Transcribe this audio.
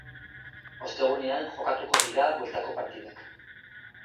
Ostegunean jokatuko dira bueltako partidak.